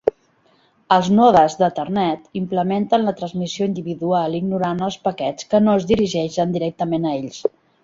Els nodes d'Ethernet implementen la transmissió individual ignorant els paquets que no es dirigeixen directament a ells.